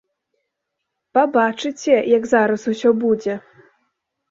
Пабачыце, як зараз усё будзе!